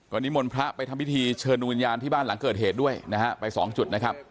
วันนี้มนต์พระไปทำพิธีเชิญดวงวิญญาณที่บ้านหลังเกิดเหตุด้วยนะฮะไปสองจุดนะครับ